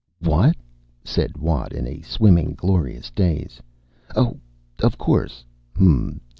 "What?" said Watt, in a swimming, glorious daze. "Oh. Of course. Hm m.